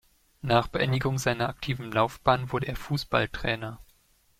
Nach Beendigung seiner aktiven Laufbahn wurde er Fußballtrainer.